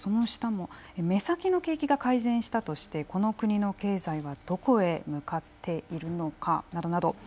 目先の景気が改善したとしてこの国の経済はどこへ向かっているのかなどなど。